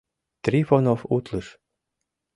Трифонов утлыш.